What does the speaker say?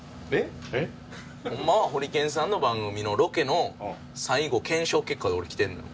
えっ？ホンマはホリケンさんの番組のロケの最後検証結果で俺来てるのよ。